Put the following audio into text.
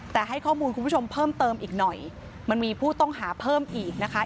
แต่ให้ข้อมูลคุณผู้ชมเพิ่มเติมอีกหน่อยมันมีผู้ต้องหาเพิ่มอีกนะคะ